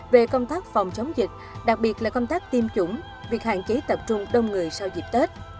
về công tác phòng chống dịch đặc biệt là công tác tiêm chủng việc hạn chế tập trung đông người sau dịp tết